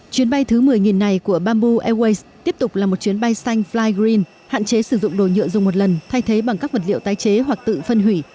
chuyến bay thứ một mươi này của bamboo airways tiếp tục là một chuyến bay xanh fly green hạn chế sử dụng đồ nhựa dùng một lần thay thế bằng các vật liệu tái chế hoặc tự phân hủy